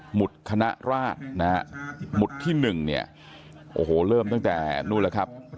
หุดคณะราชนะฮะหมุดที่๑เนี่ยโอ้โหเริ่มตั้งแต่นู่นแล้วครับ